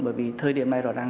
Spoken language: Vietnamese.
bởi vì thời điểm này rồi rằng